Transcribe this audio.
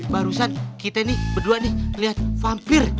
barusan kita nih berdua nih ngelihat vampir